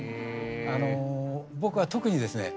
あの僕は特にですね